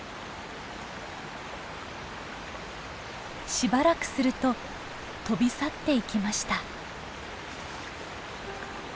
しばらくすると飛び去っていきました。